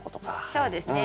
そうですね。